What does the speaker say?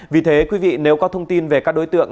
vì thế nếu có thông tin về các đối tượng